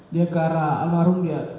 dia ke arah almarhum